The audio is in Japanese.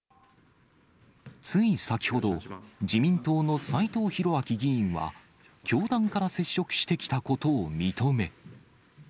つい先ほど、自民党の斎藤洋明議員は、教団から接触してきたことを認め。